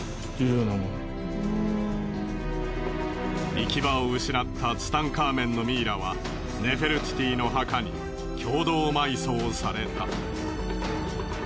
行き場を失ったツタンカーメンのミイラはネフェルティティの墓に共同埋葬された。